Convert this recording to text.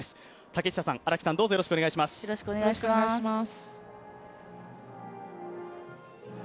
竹下さん、荒木さん、どうぞよろしくお願いします。